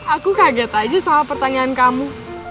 aku kaget aja sama pertanyaan kamu